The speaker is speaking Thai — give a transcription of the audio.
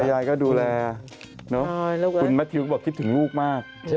ตายายก็ดูแลคุณแม็ททิวบอกคิดถึงลูกมาก